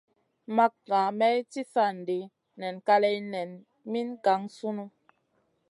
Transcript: Makŋa may ci sa ɗi nan kaleya nen min gangsunu.